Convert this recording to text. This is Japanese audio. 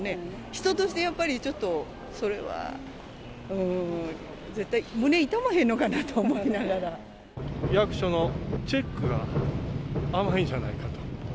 人としてやっぱりちょっと、それは、絶対、役所のチェックが甘いんじゃないかと。